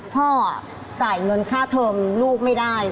พ่อจ่ายเงินค่าเทอมลูกไม่ได้